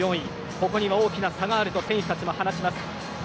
ここには大きな差があると選手たちも話します。